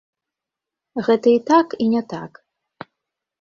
Гэта і так, і не так.